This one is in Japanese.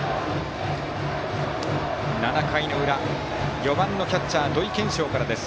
７回の裏、４番のキャッチャー土井研照からです。